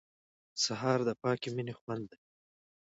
سهار د پاکې مینې خوند دی.